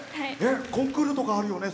コンクールとかあるよね